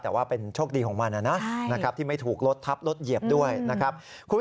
แต่ว่าเป็นโชคดีของมันนะครับที่ไม่ถูกรถทับรถเหยียบด้วยนะครับ